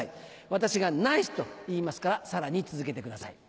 私が「ナイス！」と言いますからさらに続けてください。